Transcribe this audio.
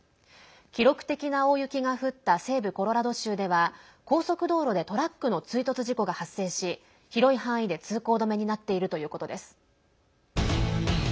記録的な大雪が降った西部コロラド州では高速道路でトラックの追突事故が発生し広い範囲で通行止めになっているということです。